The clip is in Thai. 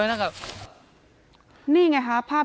ก็คุณตามมาอยู่กรงกีฬาดครับ